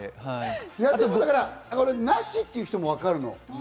なしっていう人もわかるの？